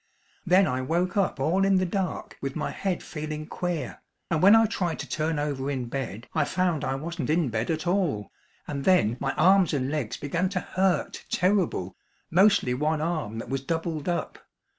Then I woke up all in the dark with my head feeling queer, and when I tried to turn over in bed I found I wasn't in bed at all, and then my arms and legs began to hurt terrible, mostly one arm that was doubled up.